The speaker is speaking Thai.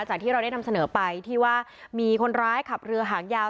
ที่เราได้นำเสนอไปที่ว่ามีคนร้ายขับเรือหางยาว